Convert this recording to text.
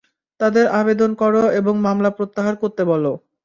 তাদের আবেদন কর এবং মামলা প্রত্যাহার করতে বল।